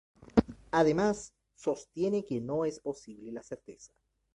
Además, sostiene que no es posible la certeza.